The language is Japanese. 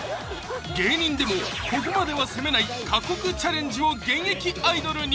芸人でもここまでは攻めない過酷チャレンジを現役アイドルに！